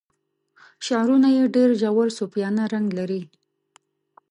شعرونه یې ډیر ژور صوفیانه رنګ لري.